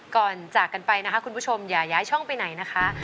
ก่อนจากกันไปนะครับคุณผู้ชมอย่าย้ายช่องไปไหนนะครับ